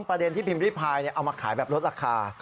๒ประเด็นที่พิมพ์ริพายเอาแบบออกลดราคา